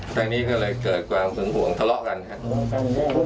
ทางนี้ก็เลยเกิดความหึงห่วงทะเลาะกันครับ